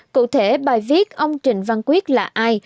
cụ thể bài viết ông trịnh văn quyết là ai